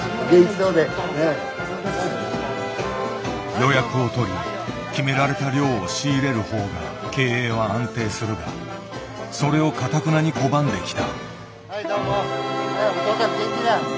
予約を取り決められた量を仕入れる方が経営は安定するがそれをかたくなに拒んできた。